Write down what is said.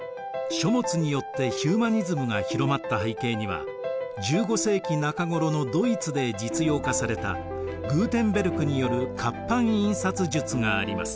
書物によってヒューマニズムが広まった背景には１５世紀中頃のドイツで実用化されたグーテンベルクによる活版印刷術があります。